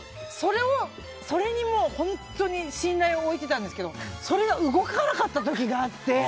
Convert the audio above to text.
それに本当に信頼を置いてたんですけどそれが動かなかった時があって。